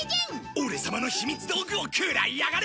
オレ様のひみつ道具を食らいやがれ！